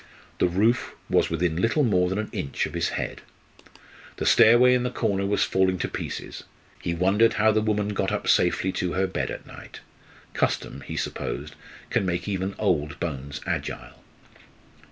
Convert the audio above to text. The roof was within little more than an inch of his head. The stairway in the corner was falling to pieces; he wondered how the woman got up safely to her bed at night; custom, he supposed, can make even old bones agile.